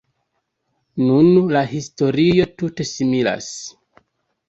Nun la historio tute similas.